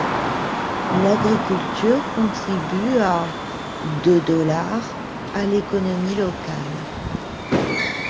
L'agriculture contribue à de dollars à l'économie locale.